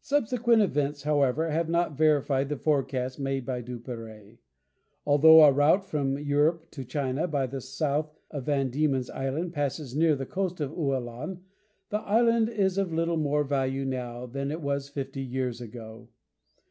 Subsequent events, however, have not verified the forecast made by Duperrey. Although a route from Europe to China, by the south of Van Diemen's Island, passes near the coast of Ualan, the island is of little more value now than it was fifty years ago.